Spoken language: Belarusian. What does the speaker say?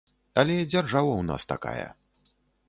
Але дзяржава ў нас такая.